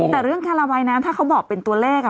แต่เรื่องคาราวายน้ำถ้าเค้าบอกเป็นตัวแรก